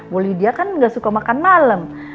bu lydia kan gak suka makan malam